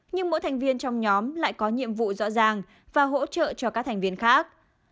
nhưng mỗi thành viên trong nhóm lại có nhiệm vụ rõ ràng và hỗ trợ cho các thành viên khác